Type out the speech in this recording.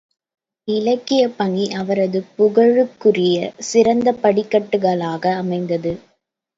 இலக்கியப் பணி அவரது புகழுக்குரிய சிறந்த படிக்கட்டுகளாக அமைந்தது!